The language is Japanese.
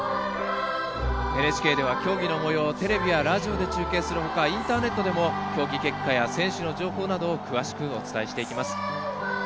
ＮＨＫでは競技のもようをテレビ、ラジオで中継するほかインターネットでも競技結果や選手の情報などを詳しくお伝えしていきます。